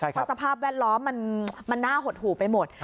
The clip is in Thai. เพราะสภาพแวดล้อมมันน่าหดหูไปหมด